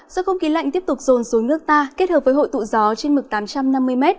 do không khí lạnh tiếp tục rồn xuống nước ta kết hợp với hội tụ gió trên mực tám trăm năm mươi m